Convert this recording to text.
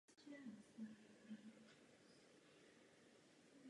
Jedno z nejznámějších ztvárnění pochází od Michelangela.